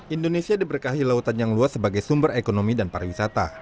indonesia diberkahi lautan yang luas sebagai sumber ekonomi dan pariwisata